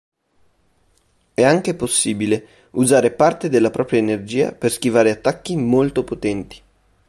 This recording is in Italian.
È anche possibile usare parte della propria energia per schivare attacchi molto potenti.